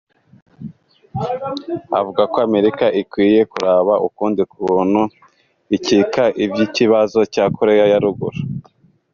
Avuga ko Amerika ikwiye kuraba ukundi kuntu ikika ivy'ikibazo ca Korea ya ruguru.